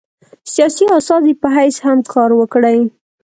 سیاسي استازي په حیث هم کار وکړي.